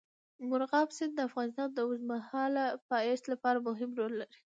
مورغاب سیند د افغانستان د اوږدمهاله پایښت لپاره مهم رول لري.